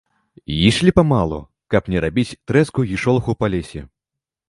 Ішлі памалу, каб не рабіць трэску і шолаху па лесе.